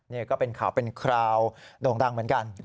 นี่ก็เป็นข่าวเป็นคราวโด่งดังเหมือนกัน